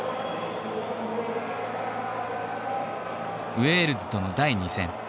ウェールズとの第２戦。